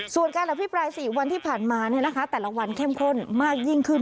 ส่วนการอภิปราย๔วันที่ผ่านมาแต่ละวันเข้มข้นมากยิ่งขึ้น